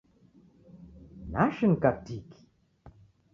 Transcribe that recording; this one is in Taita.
Nashinika tiki